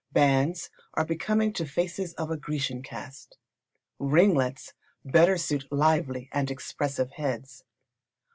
Bands are becoming to faces of a Grecian caste. Ringlets better suit lively and expressive heads.